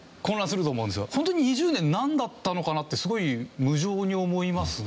ホントに２０年なんだったのかなってすごい無常に思いますね。